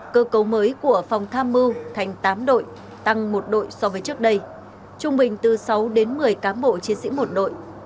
cơ cấu mới của phòng tham mưu thành tám đội tăng một đội so với trước đây trung bình từ sáu đến một mươi cán bộ chiến sĩ một đội